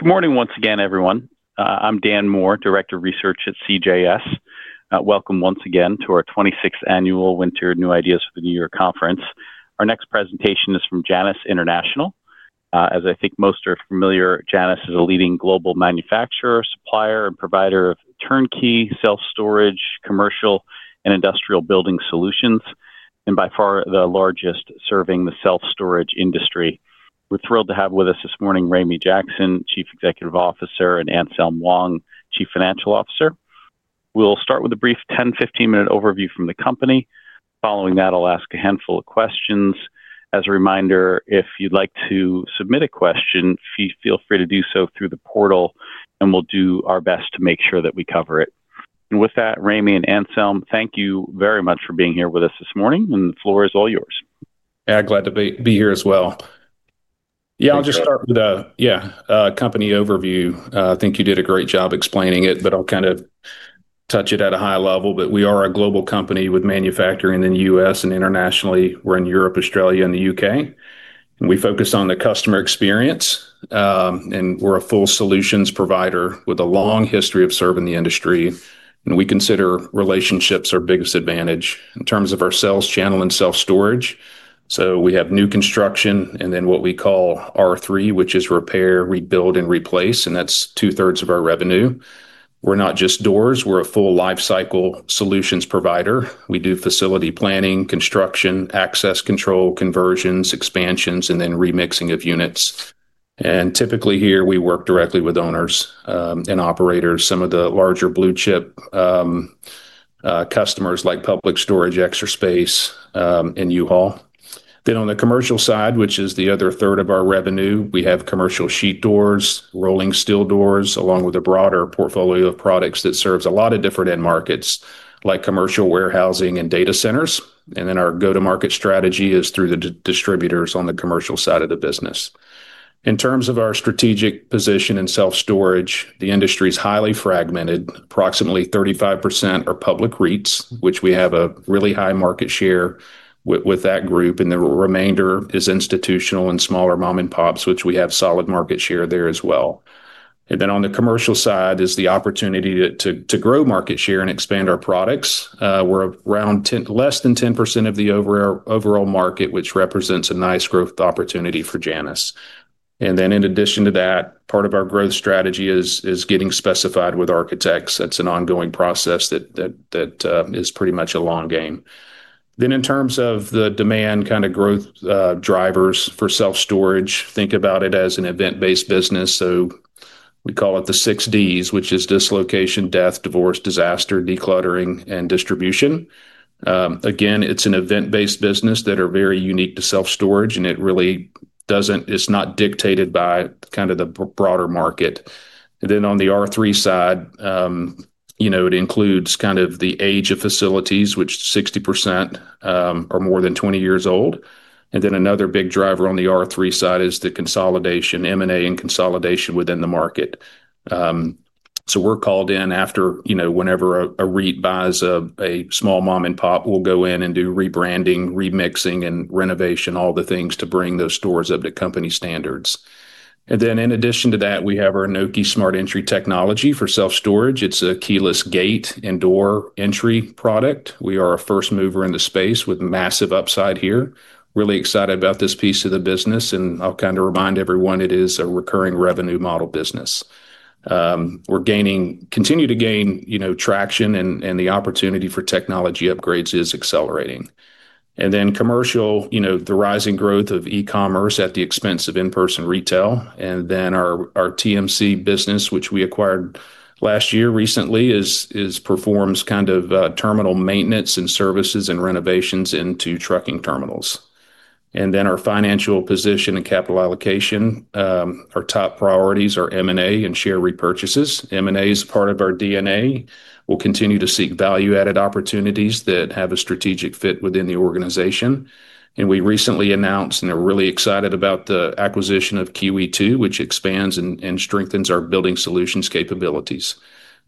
Good morning once again, everyone. I'm Dan Moore, Director of Research at CJS. Welcome once again to our 26th Annual Winter New Ideas for the New Year Conference. Our next presentation is from Janus International. As I think most are familiar, Janus is a leading global manufacturer, supplier, and provider of turnkey, self-storage, commercial, and industrial building solutions, and by far the largest serving the self-storage industry. We're thrilled to have with us this morning Ramey Jackson, Chief Executive Officer, and Anselm Wong, Chief Financial Officer. We'll start with a brief 10 to 15 minute overview from the company. Following that, I'll ask a handful of questions. As a reminder, if you'd like to submit a question, feel free to do so through the portal, and we'll do our best to make sure that we cover it With that, Ramey and Anselm, thank you very much for being here with us this morning, and the floor is all yours. Yeah, glad to be here as well. Yeah, I'll just start with a company overview. I think you did a great job explaining it, but I'll kind of touch it at a high level, but we are a global company with manufacturing in the U.S. and internationally. We're in Europe, Australia, and the U.K. We focus on the customer experience, and we're a full solutions provider with a long history of serving the industry. We consider relationships our biggest advantage in terms of our sales channel and self-storage. We have new construction and then what we call R3, which is repair, rebuild, and replace, and that's two-thirds of our revenue. We're not just doors; we're a full lifecycle solutions provider. We do facility planning, construction, access control, conversions, expansions, and then remixing of units. And typically here, we work directly with owners and operators, some of the larger blue-chip customers like Public Storage, Extra Space, and U-Haul. Then on the commercial side, which is the other third of our revenue, we have commercial sheet doors, rolling steel doors, along with a broader portfolio of products that serves a lot of different end markets like commercial warehousing and data centers. And then our go-to-market strategy is through the distributors on the commercial side of the business. In terms of our strategic position in self-storage, the industry is highly fragmented. Approximately 35% are public REITs, which we have a really high market share with that group, and the remainder is institutional and smaller mom-and-pops, which we have solid market share there as well. And then on the commercial side is the opportunity to grow market share and expand our products. We're around less than 10% of the overall market, which represents a nice growth opportunity for Janus, and then in addition to that, part of our growth strategy is getting specified with architects. That's an ongoing process that is pretty much a long game, then in terms of the demand kind of growth drivers for self-storage, think about it as an event-based business, so we call it the Six Ds, which is dislocation, death, divorce, disaster, decluttering, and distribution. Again, it's an event-based business that is very unique to self-storage, and it really doesn't. It's not dictated by kind of the broader market, and then on the R3 side, it includes kind of the age of facilities, which 60% are more than 20 years old, and then another big driver on the R3 side is the consolidation, M&A and consolidation within the market. So we're called in after whenever a REIT buys a small mom-and-pop. We'll go in and do rebranding, remodeling, and renovation, all the things to bring those stores up to company standards. And then in addition to that, we have our Nokē Smart Entry technology for self-storage. It's a keyless gate and door entry product. We are a first mover in the space with massive upside here. Really excited about this piece of the business, and I'll kind of remind everyone it is a recurring revenue model business. We're continuing to gain traction, and the opportunity for technology upgrades is accelerating. And then commercial, the rising growth of e-commerce at the expense of in-person retail. And then our TMC business, which we acquired last year recently, performs kind of terminal maintenance and services and renovations into trucking terminals. And then our financial position and capital allocation, our top priorities are M&A and share repurchases. M&A is part of our DNA. We'll continue to seek value-added opportunities that have a strategic fit within the organization. And we recently announced, and we're really excited about the acquisition of Kiwi II, which expands and strengthens our building solutions capabilities.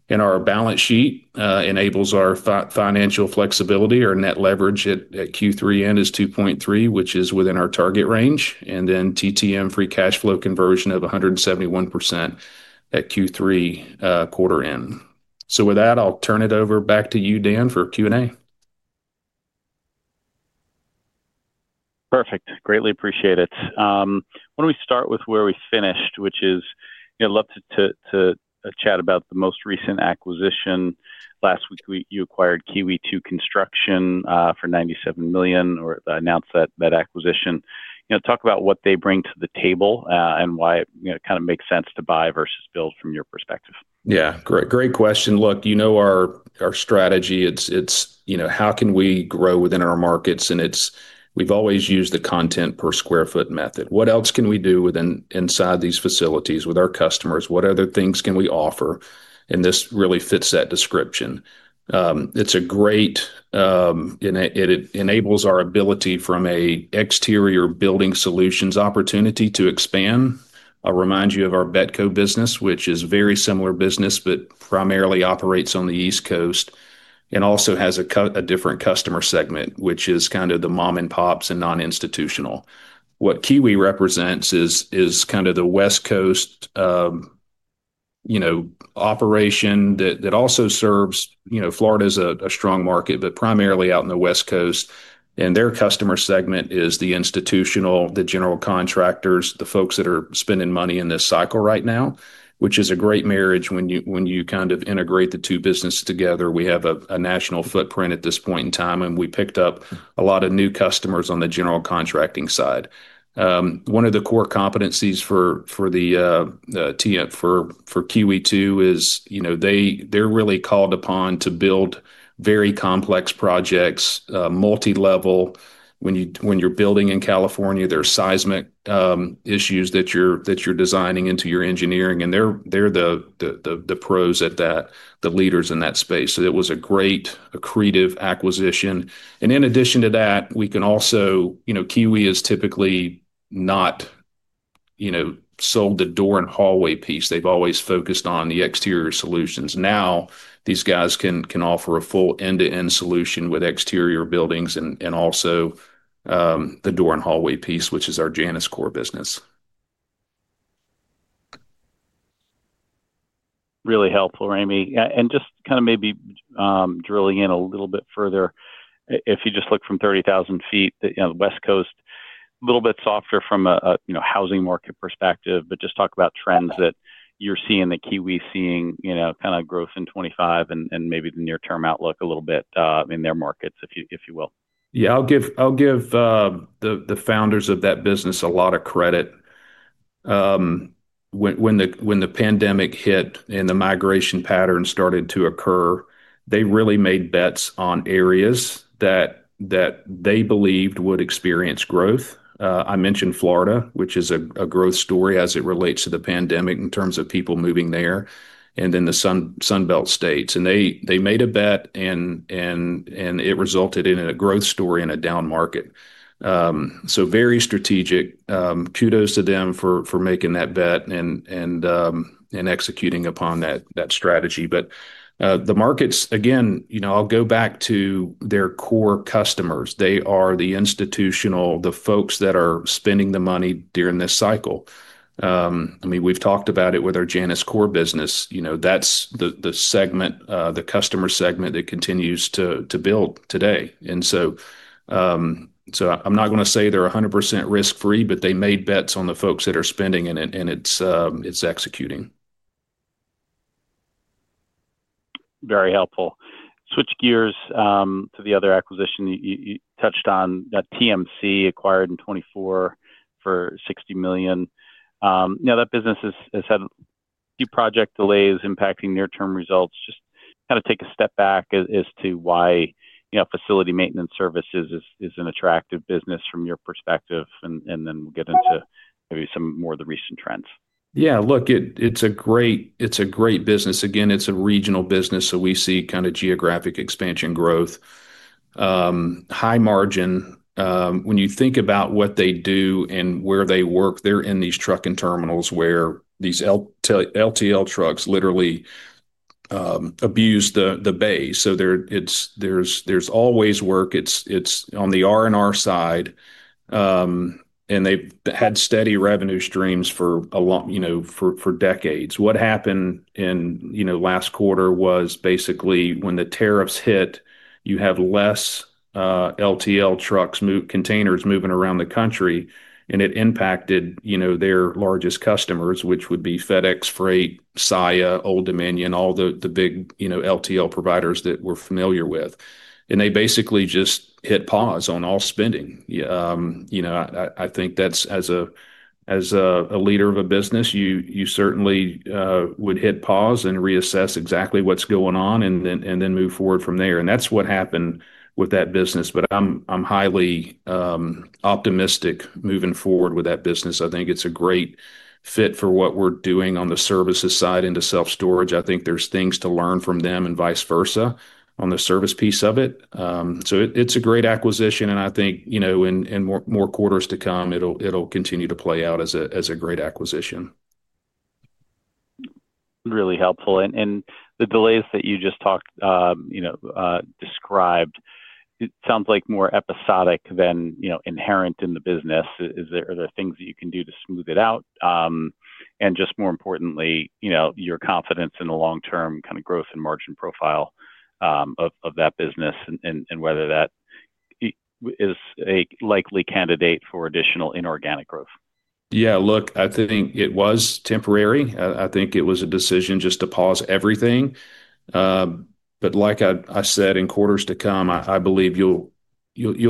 And our balance sheet enables our financial flexibility. Our net leverage at Q3 end is 2.3, which is within our target range. And then TTM free cash flow conversion of 171% at Q3 quarter end. So with that, I'll turn it over back to you, Dan, for Q&A. Perfect. Greatly appreciate it. Why don't we start with where we finished, which is I'd love to chat about the most recent acquisition. Last week, you acquired Kiwi II Construction for $97 million, or announced that acquisition. Talk about what they bring to the table and why it kind of makes sense to buy versus build from your perspective. Yeah, great question. Look, you know our strategy. It's how can we grow within our markets? And we've always used the content per square foot method. What else can we do inside these facilities with our customers? What other things can we offer? And this really fits that description. It's great, and it enables our ability from an exterior building solutions opportunity to expand. I'll remind you of our BETCO business, which is a very similar business, but primarily operates on the East Coast and also has a different customer segment, which is kind of the mom-and-pops and non-institutional. What Kiwi represents is kind of the West Coast operation that also serves, Florida is a strong market, but primarily out in the West Coast. And their customer segment is the institutional, the general contractors, the folks that are spending money in this cycle right now, which is a great marriage when you kind of integrate the two businesses together. We have a national footprint at this point in time, and we picked up a lot of new customers on the general contracting side. One of the core competencies for Kiwi II is they're really called upon to build very complex projects, multi-level. When you're building in California, there are seismic issues that you're designing into your engineering, and they're the pros at that, the leaders in that space. So it was a great accretive acquisition. And in addition to that, we can also-Kiwi II is typically not sold the door and hallway piece. They've always focused on the exterior solutions. Now, these guys can offer a full end-to-end solution with exterior buildings and also the door and hallway piece, which is our Janus core business. Really helpful, Ramey, and just kind of maybe drilling in a little bit further, if you just look from 30,000 ft, the West Coast, a little bit softer from a housing market perspective, but just talk about trends that you're seeing that Kiwi is seeing kind of growth in 2025 and maybe the near-term outlook a little bit in their markets, if you will? Yeah, I'll give the founders of that business a lot of credit. When the pandemic hit and the migration pattern started to occur, they really made bets on areas that they believed would experience growth. I mentioned Florida, which is a growth story as it relates to the pandemic in terms of people moving there, and then the Sunbelt states, and they made a bet, and it resulted in a growth story in a down market, so very strategic. Kudos to them for making that bet and executing upon that strategy, but the markets, again, I'll go back to their core customers. They are the institutional, the folks that are spending the money during this cycle. I mean, we've talked about it with our Janus core business. That's the segment, the customer segment that continues to build today. And so I'm not going to say they're 100% risk-free, but they made bets on the folks that are spending and it's executing. Very helpful. Switch gears to the other acquisition you touched on. TMC, acquired in 2024 for $60 million. Now, that business has had a few project delays impacting near-term results. Just kind of take a step back as to why facility maintenance services is an attractive business from your perspective, and then we'll get into maybe some more of the recent trends. Yeah, look, it's a great business. Again, it's a regional business, so we see kind of geographic expansion growth. High margin. When you think about what they do and where they work, they're in these trucking terminals where these LTL trucks literally abuse the bay. So there's always work. It's on the R&R side, and they've had steady revenue streams for decades. What happened in last quarter was basically when the tariffs hit, you have less LTL containers moving around the country, and it impacted their largest customers, which would be FedEx Freight, Saia, Old Dominion, all the big LTL providers that we're familiar with. And they basically just hit pause on all spending. I think that's as a leader of a business, you certainly would hit pause and reassess exactly what's going on and then move forward from there. And that's what happened with that business, but I'm highly optimistic moving forward with that business. I think it's a great fit for what we're doing on the services side into self-storage. I think there's things to learn from them and vice versa on the service piece of it. So it's a great acquisition, and I think in more quarters to come, it'll continue to play out as a great acquisition. Really helpful. And the delays that you just described, it sounds like more episodic than inherent in the business. Are there things that you can do to smooth it out? And just more importantly, your confidence in the long-term kind of growth and margin profile of that business and whether that is a likely candidate for additional inorganic growth. Yeah, look, I think it was temporary. I think it was a decision just to pause everything. But like I said, in quarters to come, I believe you'll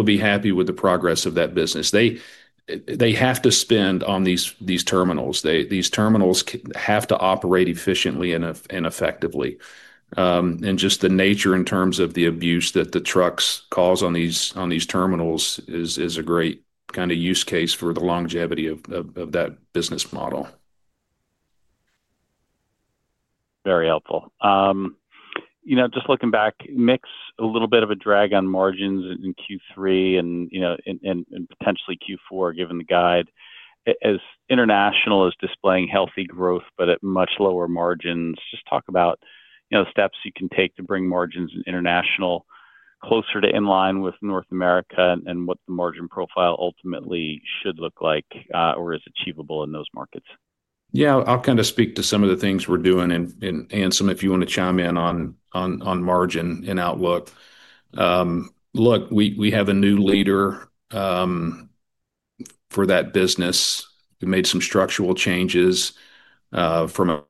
be happy with the progress of that business. They have to spend on these terminals. These terminals have to operate efficiently and effectively. And just the nature in terms of the abuse that the trucks cause on these terminals is a great kind of use case for the longevity of that business model. Very helpful. Just looking back, the mix is a little bit of a drag on margins in Q3 and potentially Q4, given the guide. And international is displaying healthy growth, but at much lower margins. Just talk about steps you can take to bring margins international closer to in line with North America and what the margin profile ultimately should look like or is achievable in those markets. Yeah, I'll kind of speak to some of the things we're doing Anselm if you want to chime in on margin and outlook. Look, we have a new leader for that business. We made some structural changes from looking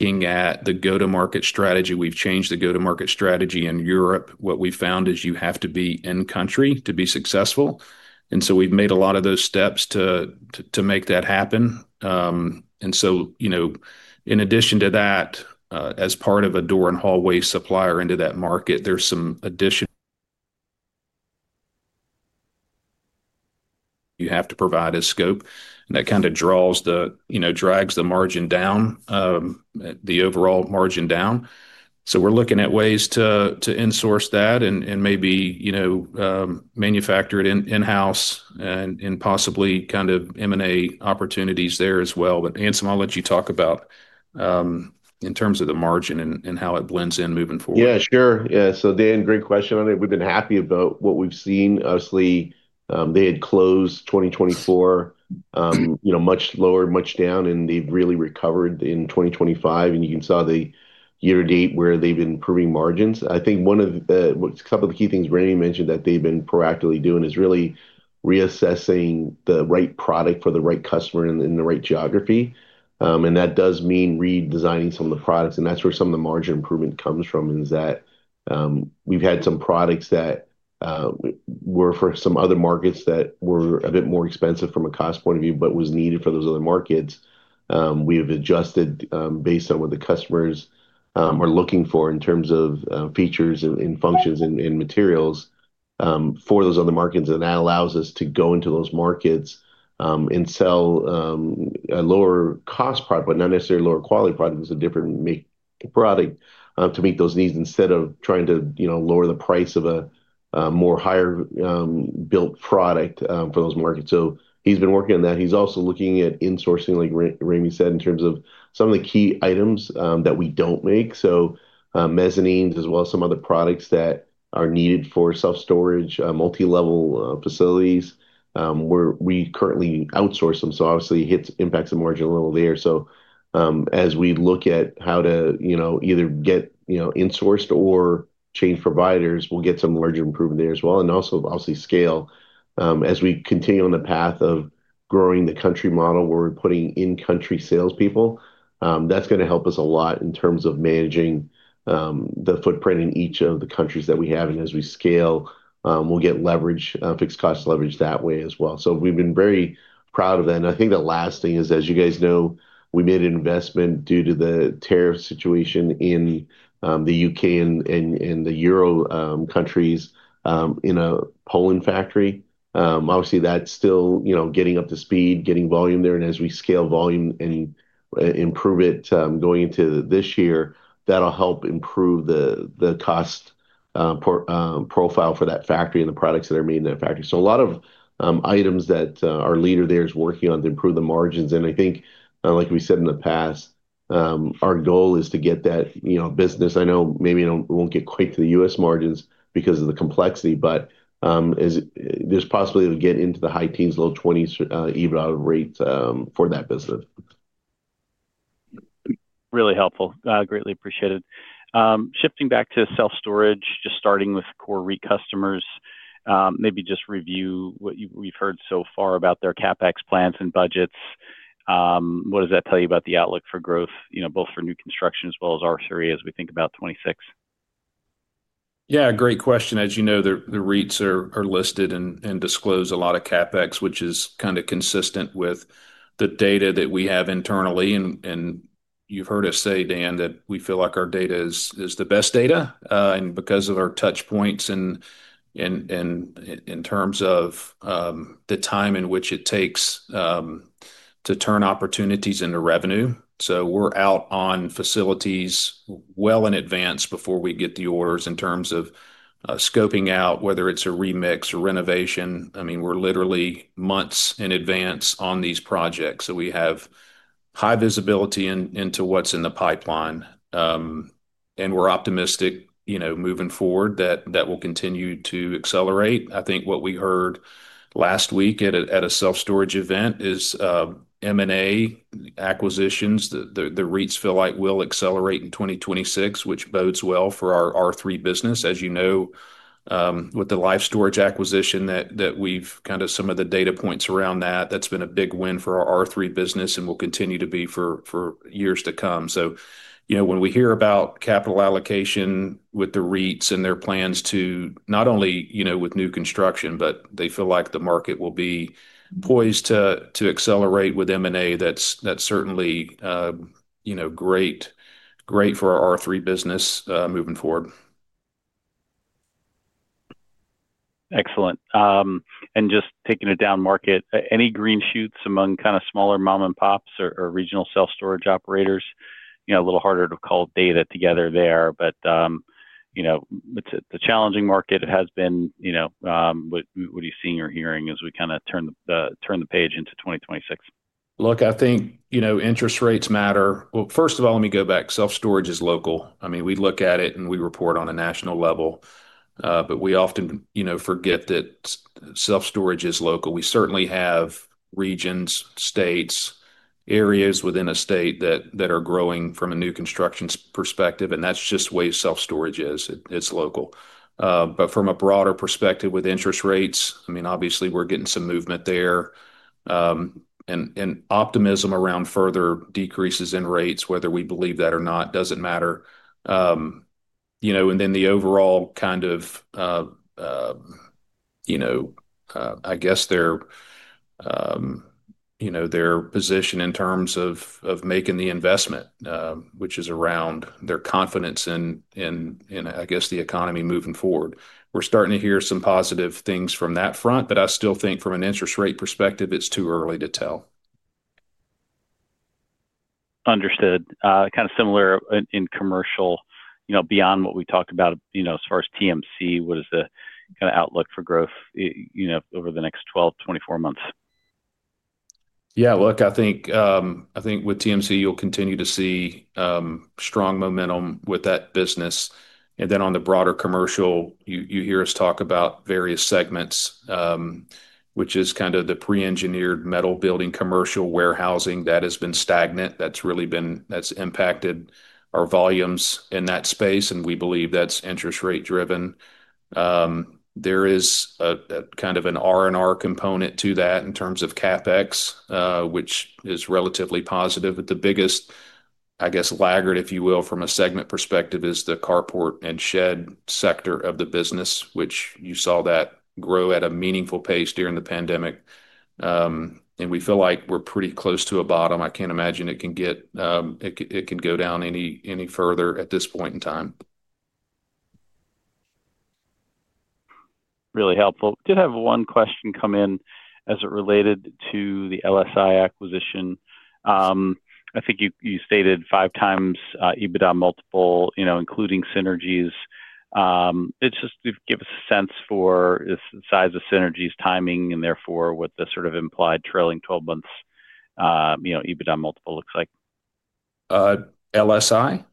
at the go-to-market strategy. We've changed the go-to-market strategy in Europe. What we found is you have to be in-country to be successful. And so we've made a lot of those steps to make that happen. And so in addition to that, as part of a door and hallway supplier into that market, there's some additional you have to provide a scope. And that kind of drags the margin down, the overall margin down. So we're looking at ways to insource that and maybe manufacture it in-house and possibly kind of M&A opportunities there as well. But Anselm, I'll let you talk about in terms of the margin and how it blends in moving forward. Yeah, sure. Yeah. So Dan, great question on it. We've been happy about what we've seen. Obviously, they had closed 2024 much lower, much down, and they've really recovered in 2025, and you can see the year to date where they've been improving margins. I think one of the key things Ramey mentioned that they've been proactively doing is really reassessing the right product for the right customer in the right geography, and that does mean redesigning some of the products. And that's where some of the margin improvement comes from, is that we've had some products that were for some other markets that were a bit more expensive from a cost point of view, but was needed for those other markets. We have adjusted based on what the customers are looking for in terms of features and functions and materials for those other markets. And that allows us to go into those markets and sell a lower-cost product, but not necessarily lower-quality product. It's a different product to meet those needs instead of trying to lower the price of a more higher-built product for those markets. So he's been working on that. He's also looking at insourcing, like Ramey said, in terms of some of the key items that we don't make. So mezzanines, as well as some other products that are needed for self-storage, multi-level facilities, where we currently outsource them. So obviously, it impacts the margin a little there. So as we look at how to either get insourced or change providers, we'll get some larger improvement there as well. And also, obviously, scale. As we continue on the path of growing the country model where we're putting in-country salespeople, that's going to help us a lot in terms of managing the footprint in each of the countries that we have. And as we scale, we'll get leverage, fixed-cost leverage that way as well. So we've been very proud of that. And I think the last thing is, as you guys know, we made an investment due to the tariff situation in the U.K. and the European countries in a Poland factory. Obviously, that's still getting up to speed, getting volume there. And as we scale volume and improve it going into this year, that'll help improve the cost profile for that factory and the products that are made in that factory. So a lot of items that our leader there is working on to improve the margins. And I think, like we said in the past, our goal is to get that business. I know maybe it won't get quite to the U.S. margins because of the complexity, but there's a possibility to get into the high teens, low 20s EBITDA rate for that business. Really helpful. Greatly appreciated. Shifting back to self-storage, just starting with core REIT customers, maybe just review what we've heard so far about their CapEx plans and budgets. What does that tell you about the outlook for growth, both for new construction as well as R3 as we think about 2026? Yeah, great question. As you know, the REITs are listed and disclose a lot of CapEx, which is kind of consistent with the data that we have internally. And you've heard us say, Dan, that we feel like our data is the best data because of our touchpoints and in terms of the time in which it takes to turn opportunities into revenue. So we're out on facilities well in advance before we get the orders in terms of scoping out whether it's a remix or renovation. I mean, we're literally months in advance on these projects. So we have high visibility into what's in the pipeline. And we're optimistic moving forward that that will continue to accelerate. I think what we heard last week at a self-storage event is M&A acquisitions. The REITs feel like will accelerate in 2026, which bodes well for our R3 business. As you know, with the Life Storage acquisition that we've kind of some of the data points around that, that's been a big win for our R3 business and will continue to be for years to come. So when we hear about capital allocation with the REITs and their plans to not only with new construction, but they feel like the market will be poised to accelerate with M&A, that's certainly great for our R3 business moving forward. Excellent. And just taking a down market, any green shoots among kind of smaller mom-and-pops or regional self-storage operators? A little harder to call data together there, but it's a challenging market. It has been. What are you seeing or hearing as we kind of turn the page into 2026? Look, I think interest rates matter. Well, first of all, let me go back. Self-storage is local. I mean, we look at it and we report on a national level, but we often forget that self-storage is local. We certainly have regions, states, areas within a state that are growing from a new construction perspective, and that's just the way self-storage is. It's local. But from a broader perspective with interest rates, I mean, obviously, we're getting some movement there. And optimism around further decreases in rates, whether we believe that or not, doesn't matter. And then the overall kind of, I guess, their position in terms of making the investment, which is around their confidence in, I guess, the economy moving forward. We're starting to hear some positive things from that front, but I still think from an interest rate perspective, it's too early to tell. Understood. Kind of similar in commercial beyond what we talked about as far as TMC, what is the kind of outlook for growth over the next 12-24 months? Yeah, look, I think with TMC, you'll continue to see strong momentum with that business. And then on the broader commercial, you hear us talk about various segments, which is kind of the pre-engineered metal building commercial warehousing that has been stagnant. That's really been impacted our volumes in that space, and we believe that's interest rate driven. There is kind of an R&R component to that in terms of CapEx, which is relatively positive. But the biggest, I guess, laggard, if you will, from a segment perspective, is the carport and shed sector of the business, which you saw that grow at a meaningful pace during the pandemic. And we feel like we're pretty close to a bottom. I can't imagine it can go down any further at this point in time. Really helpful. Did have one question come in as it related to the LSI acquisition. I think you stated five times EBITDA multiple, including synergies. It's just to give us a sense for the size of synergies, timing and therefore what the sort of implied trailing 12-month EBITDA multiple looks like. LSI?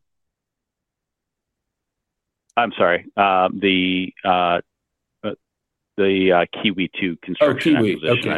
I'm sorry. The Kiwi II Construction acquisition. Oh, Kiwi. Okay. I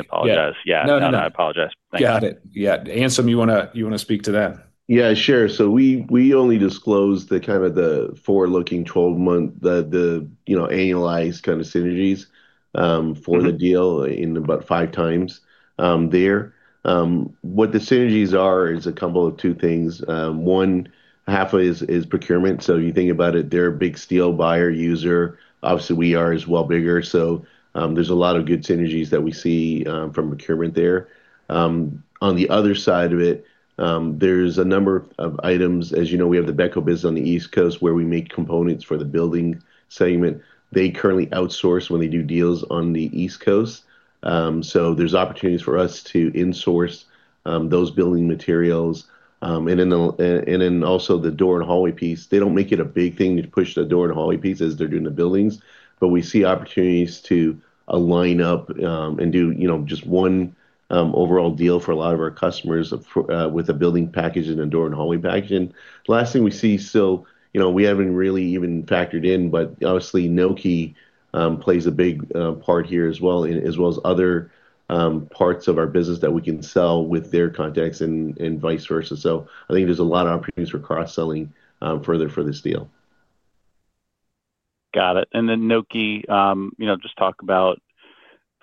apologize. Thanks. Got it. Yeah. Anselm, you want to speak to that? Yeah, sure, so we only disclose the kind of the forward-looking 12-month, the annualized kind of synergies for the deal in about five times there. What the synergies are is a couple of two things. One, half of it is procurement, so you think about it, they're a big steel buyer user. Obviously, we are as well bigger, so there's a lot of good synergies that we see from procurement there. On the other side of it, there's a number of items. As you know, we have the BETCO business on the East Coast where we make components for the building segment. They currently outsource when they do deals on the East Coast, so there's opportunities for us to insource those building materials. And then also the door and hallway piece, they don't make it a big thing to push the door and hallway piece as they're doing the buildings. But we see opportunities to align up and do just one overall deal for a lot of our customers with a building package and a door and hallway package. And the last thing we see still, we haven't really even factored in, but obviously, Nokē plays a big part here as well, as well as other parts of our business that we can sell with their contacts and vice versa. So I think there's a lot of opportunities for cross-selling further for this deal. Got it, and then Nokē, just talk about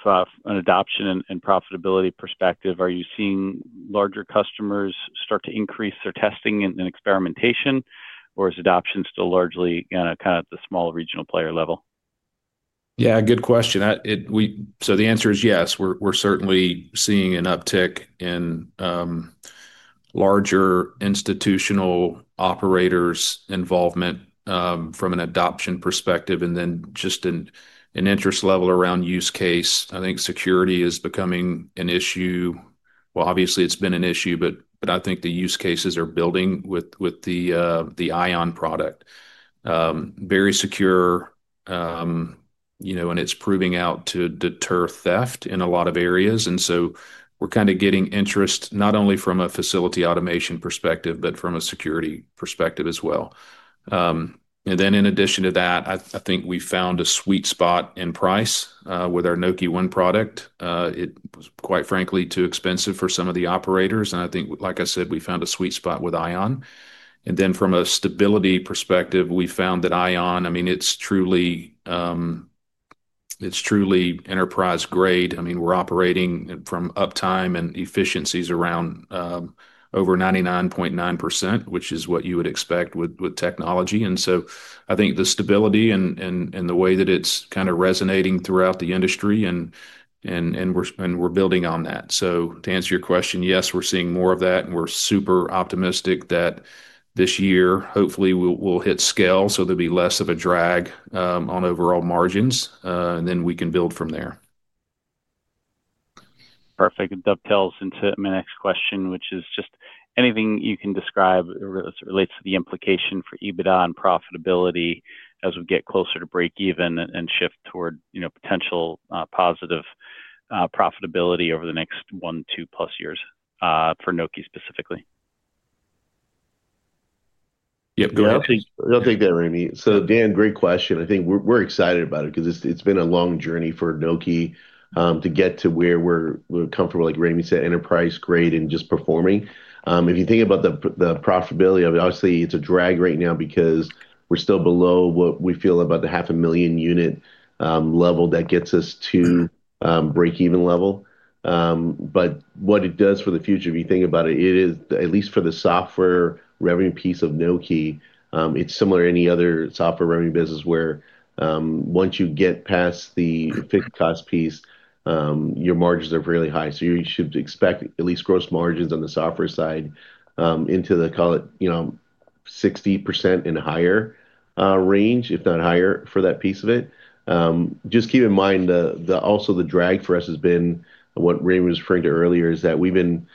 an adoption and profitability perspective. Are you seeing larger customers start to increase their testing and experimentation, or is adoption still largely kind of at the small regional player level? Yeah, good question. So the answer is yes. We're certainly seeing an uptick in larger institutional operators' involvement from an adoption perspective. And then just an interest level around use case. I think security is becoming an issue. Well, obviously, it's been an issue, but I think the use cases are building with the Nokē Ion product. Very secure, and it's proving out to deter theft in a lot of areas. And so we're kind of getting interest not only from a facility automation perspective, but from a security perspective as well. And then in addition to that, I think we found a sweet spot in price with our Nokē ONE product. It was, quite frankly, too expensive for some of the operators. And I think, like I said, we found a sweet spot with Nokē Ion. From a stability perspective, we found that Nokē Ion, I mean, it's truly enterprise grade. I mean, we're operating from uptime and efficiencies around over 99.9%, which is what you would expect with technology. I think the stability and the way that it's kind of resonating throughout the industry, and we're building on that. To answer your question, yes, we're seeing more of that. We're super optimistic that this year, hopefully, we'll hit scale so there'll be less of a drag on overall margins, and then we can build from there. Perfect. It dovetails into my next question, which is just anything you can describe as it relates to the implication for EBITDA and profitability as we get closer to break-even and shift toward potential positive profitability over the next one, two-plus years for Nokē specifically? Yep. Go ahead. I'll take that, Ramey. So Dan, great question. I think we're excited about it because it's been a long journey for Nokē to get to where we're comfortable, like Ramey said, enterprise-grade and just performing. If you think about the profitability of it, obviously, it's a drag right now because we're still below what we feel about the 500,000 unit level that gets us to break-even level. But what it does for the future, if you think about it, it is, at least for the software revenue piece of Nokē, it's similar to any other software revenue business where once you get past the fixed-cost piece, your margins are fairly high. So you should expect at least gross margins on the software side into the, call it, 60% and higher range, if not higher, for that piece of it. Just keep in mind, also the drag for us has been what Ramey was referring to earlier, is that we've been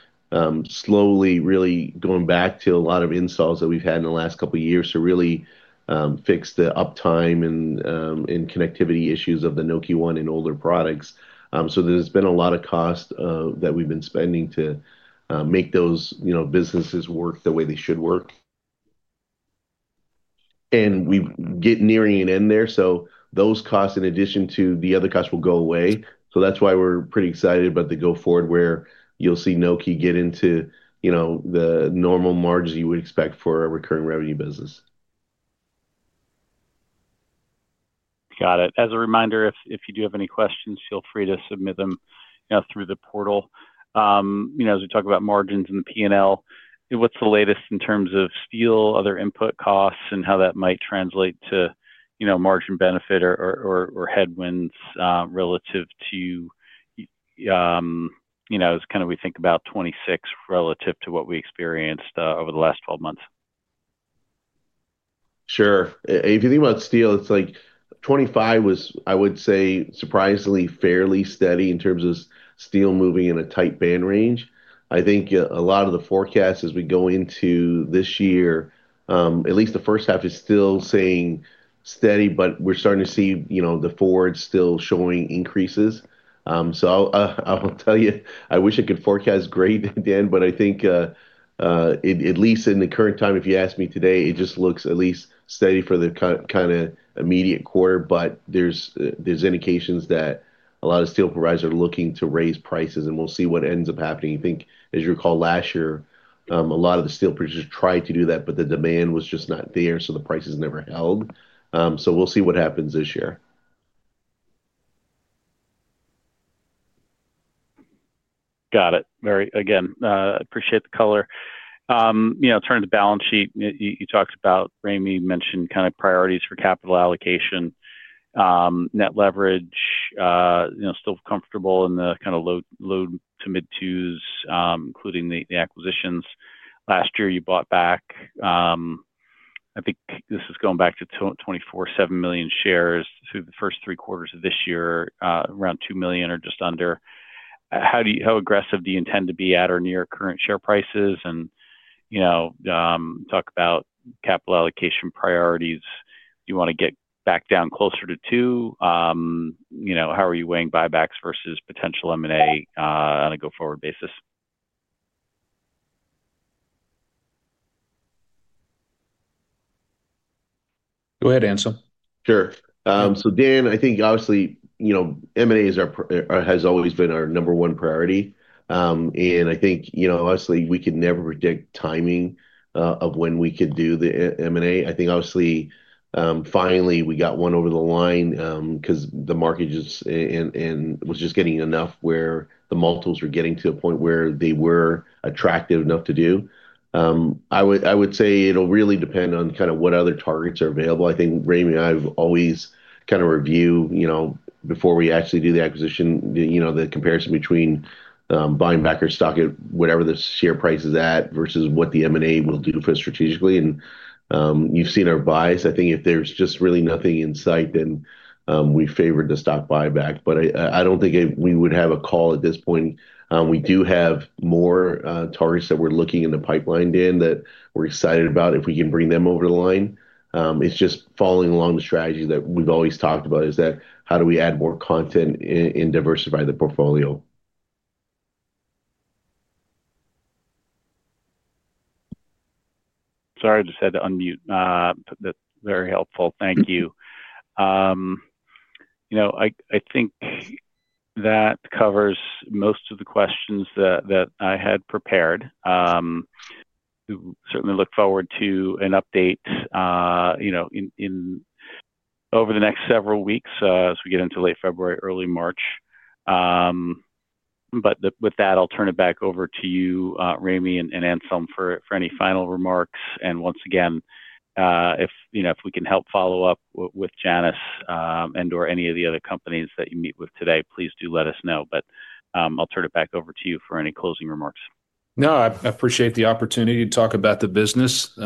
slowly really going back to a lot of installs that we've had in the last couple of years to really fix the uptime and connectivity issues of the Nokē ONE and older products. So there's been a lot of cost that we've been spending to make those businesses work the way they should work. And we're nearing an end there. So those costs, in addition to the other costs, will go away. So that's why we're pretty excited about the go forward where you'll see Nokē get into the normal margins you would expect for a recurring revenue business. Got it. As a reminder, if you do have any questions, feel free to submit them through the portal. As we talk about margins and the P&L, what's the latest in terms of steel, other input costs, and how that might translate to margin benefit or headwinds relative to as kind of we think about 2026 relative to what we experienced over the last 12 months? Sure. If you think about steel, it's like 2025 was, I would say, surprisingly fairly steady in terms of steel moving in a tight band range. I think a lot of the forecasts as we go into this year, at least the first half, is still saying steady, but we're starting to see the forward still showing increases. So I will tell you, I wish I could forecast great, Dan, but I think at least in the current time, if you ask me today, it just looks at least steady for the kind of immediate quarter. But there's indications that a lot of steel providers are looking to raise prices, and we'll see what ends up happening. I think, as you recall, last year, a lot of the steel producers tried to do that, but the demand was just not there, so the prices never held. So we'll see what happens this year. Got it. Very good, again, appreciate the color. Turn to balance sheet, you talked about. Ramey mentioned kind of priorities for capital allocation, net leverage, still comfortable in the kind of low to mid-twos, including the acquisitions. Last year, you bought back, I think this is going back to 2024, seven million shares through the first three quarters of this year, around two million or just under. How aggressive do you intend to be at or near current share prices? And talk about capital allocation priorities. Do you want to get back down closer to two? How are you weighing buybacks versus potential M&A on a go forward basis? Go ahead, Anselm. Sure, so Dan, I think obviously M&A has always been our number one priority, and I think obviously we can never predict timing of when we could do the M&A. I think obviously finally we got one over the line because the market was just getting enough where the multiples were getting to a point where they were attractive enough to do. I would say it'll really depend on kind of what other targets are available. I think Ramey and I have always kind of reviewed before we actually do the acquisition, the comparison between buying back our stock at whatever the share price is at versus what the M&A will do for strategically, and you've seen our bias. I think if there's just really nothing in sight, then we favor the stock buyback, but I don't think we would have a call at this point. We do have more targets that we're looking in the pipeline, Dan, that we're excited about if we can bring them over the line. It's just following along the strategy that we've always talked about. Is that how do we add more content and diversify the portfolio? Sorry, I just had to unmute. Very helpful. Thank you. I think that covers most of the questions that I had prepared. Certainly look forward to an update over the next several weeks as we get into late February, early March. But with that, I'll turn it back over to you, Ramey and Anselm, for any final remarks. And once again, if we can help follow up with Janus and/or any of the other companies that you meet with today, please do let us know. But I'll turn it back over to you for any closing remarks. No, I appreciate the opportunity to talk about the business.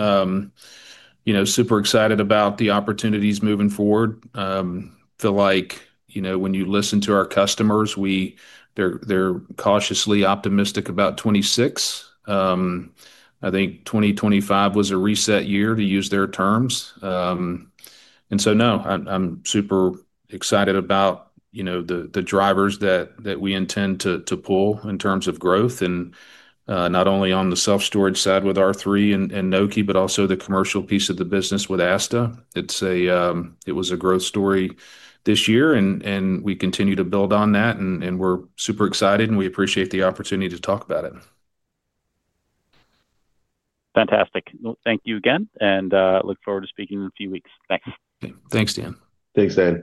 Super excited about the opportunities moving forward. I feel like when you listen to our customers, they're cautiously optimistic about 2026. I think 2025 was a reset year, to use their terms. And so no, I'm super excited about the drivers that we intend to pull in terms of growth, and not only on the self-storage side with R3 and Nokē, but also the commercial piece of the business with ASTA. It was a growth story this year, and we continue to build on that. And we're super excited, and we appreciate the opportunity to talk about it. Fantastic. Thank you again, and look forward to speaking in a few weeks. Thanks. Thanks, Dan. Thanks, Dan.